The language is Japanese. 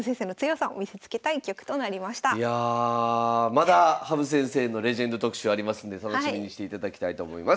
まだ羽生先生のレジェンド特集ありますんで楽しみにしていただきたいと思います。